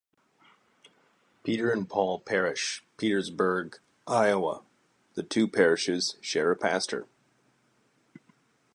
Peter and Paul Parish, Petersburg, Iowa - the two parishes share a pastor.